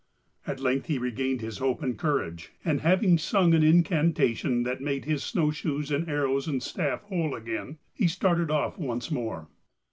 At length he regained hope and courage, and having sung an incantation that made his snow shoes and arrows and staff whole again, he started off once more.